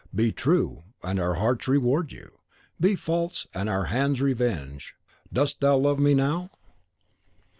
Be true, and our hearts reward you; be false, and our hands revenge! Dost thou love me now?"